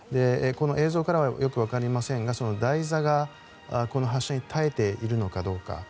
この映像からはよく分かりませんが、その台座が発射に耐えているのかどうか。